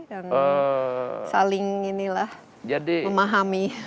dan saling memahami